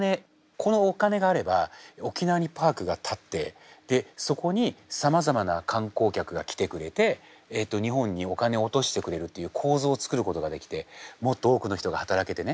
このお金があれば沖縄にパークが建ってでそこにさまざまな観光客が来てくれて日本にお金を落としてくれるっていう構図を作ることができてもっと多くの人が働けてね